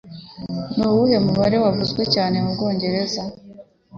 Nuwuhe mubare wavuzwe cyane mubwongereza?